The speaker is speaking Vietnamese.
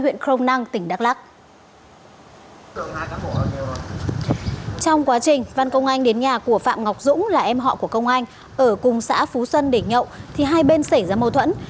trong quá trình văn công anh đến nhà của phạm ngọc dũng là em họ của công anh ở cùng xã phú xuân để nhậu thì hai bên xảy ra mâu thuẫn